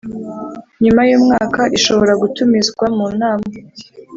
nyuma y umwaka Ishobora gutumizwa munama